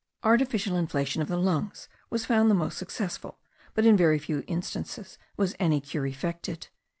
Artificial inflation of the lungs was found the most successful, but in very few instances was any cure effected.